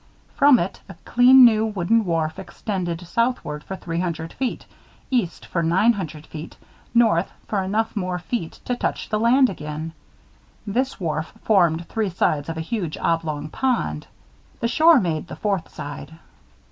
From it, a clean new wooden wharf extended southward for three hundred feet, east for nine hundred feet, north for enough more feet to touch the land again. This wharf formed three sides of a huge oblong pond. The shore made the fourth side.